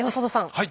はい。